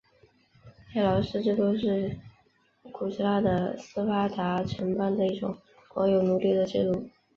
黑劳士制度是古希腊的斯巴达城邦的一种国有奴隶的制度。